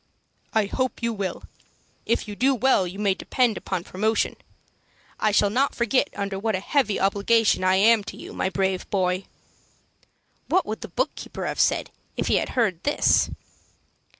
"I hope you will. If you do well you may depend upon promotion. I shall not forget under what a heavy obligation I am to you, my brave boy." What would the book keeper have said, if he had heard this?